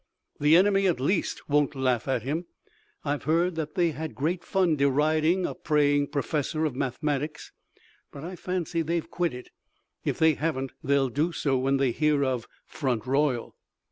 "The enemy at least won't laugh at him. I've heard that they had great fun deriding a praying professor of mathematics, but I fancy they've quit it. If they haven't they'll do so when they hear of Front Royal."